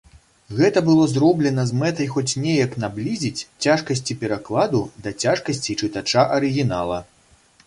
Гэта было зроблена з мэтай хоць неяк наблізіць цяжкасці перакладу да цяжкасцей чытача арыгінала.